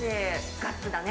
ガッツだね。